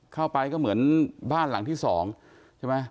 เข้าไปก็เหมือนบ้านหลังที่๒ใช่ไหม